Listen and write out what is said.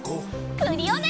クリオネ！